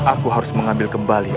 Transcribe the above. aku harus mengambil kembali